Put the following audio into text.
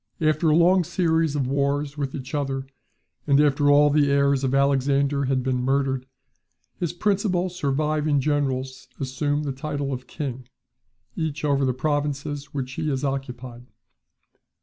After a long series of wars with each other, and after all the heirs of Alexander had been murdered, his principal surviving generals assume the title of king, each over the provinces which he has occupied.